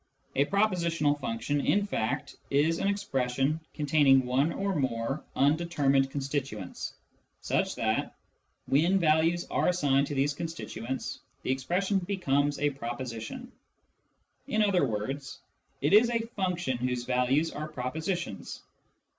"^ A " propositional function," in fact, is an expression containing one or more undetermined constituents, '55 156 Introduction to Mathematical Philosophy such that, when values are assigned to these constituents, the expression becomes a proposition^ In other words, it is a function whose values are propositions.